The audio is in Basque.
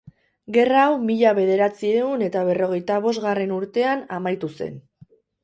Gerra hau mila bederatziehun eta berrogeita bosgarren urtean amaitu zen.